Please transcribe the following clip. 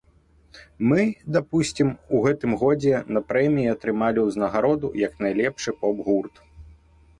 Мы, дапусцім, у гэтым годзе на прэміі атрымалі ўзнагароду як найлепшы поп-гурт.